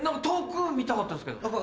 遠くを見たかったんですけど。